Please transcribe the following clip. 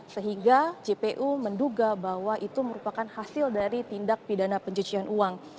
sehingga jpu menduga bahwa itu merupakan hasil dari tindak pidana pencucian uang